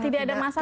tidak ada masalah